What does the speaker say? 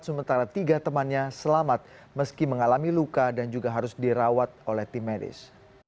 sementara tiga temannya selamat meski mengalami luka dan juga harus dirawat oleh tim medis